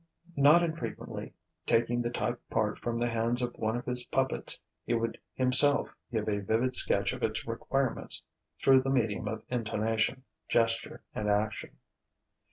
Not infrequently, taking the typed part from the hands of one of his puppets, he would himself give a vivid sketch of its requirements through the medium of intonation, gesture, and action.